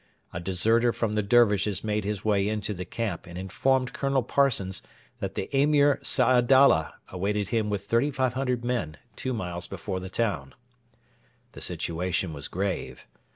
A deserter from the Dervishes made his way into the camp and informed Colonel Parsons that the Emir Saadalla awaited him with 3,500 men two miles before the town. The situation was grave.